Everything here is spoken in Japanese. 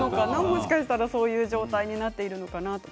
もしかしたら、そういう状態になっているのかな。